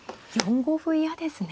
４五歩嫌ですね。